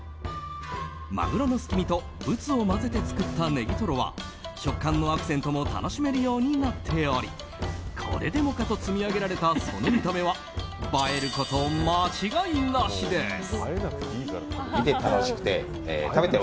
マグロのすき身とブツを混ぜて作ったネギトロは食感のアクセントも楽しめるようになっておりこれでもかと積み上げられたその見た目は映えること間違いなしです。